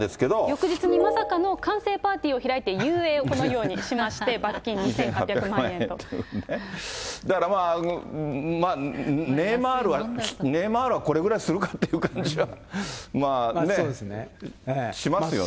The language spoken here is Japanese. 翌日にまさかの完成披露パーティーを開いて、遊泳をこのようにしまして、だからまあ、ネイマールは、ネイマールはこれくらいするかって感じは、ね、しますよね。